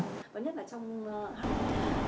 có nhất là trong